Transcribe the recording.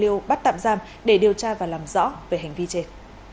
bạc liêu bắt tạm giam để điều tra và làm rõ về hành vi chết